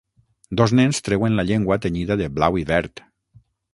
Dos nens treuen la llengua tenyida de blau i verd.